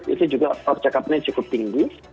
itu juga percakapannya cukup tinggi